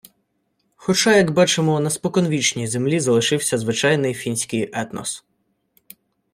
Хоча, як бачимо, на споконвічній землі залишився звичайний фінський етнос